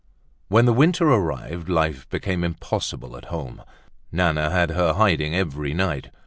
When the winter arrived, life became impossible at home. Nana had her hiding every night.